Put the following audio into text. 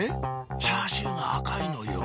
チャーシューが赤いのよ